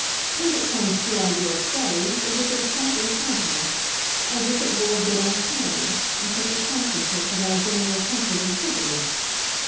What it comes to, I daresay, is that there's something haunting as if it were a bit uncanny in such a consciousness of our general comfort and privilege.